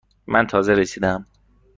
من تازه رسیده ام.